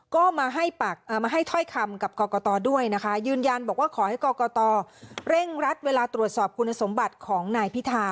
ก็มาให้ถ้อยคำกับกรกตด้วยนะคะยืนยันบอกว่าขอให้กรกตเร่งรัดเวลาตรวจสอบคุณสมบัติของนายพิธา